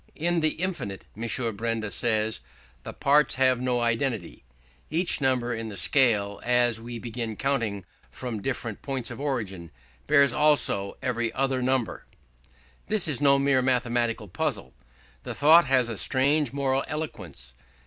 In the infinite, M. Benda says, the parts have no identity: each number in the scale, as we begin counting from different points of origin, bears also every other number. This is no mere mathematical puzzle; the thought has a strange moral eloquence.